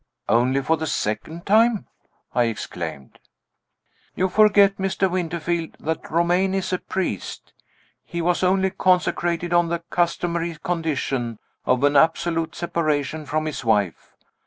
"Only for the second time!" I exclaimed. "You forget, Mr. Winterfield, that Romayne is a priest. He was only consecrated on the customary condition of an absolute separation from his wife.